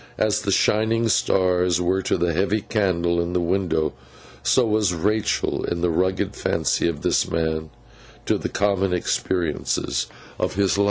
As the shining stars were to the heavy candle in the window, so was Rachael, in the rugged fancy of this man, to the common experiences of his life.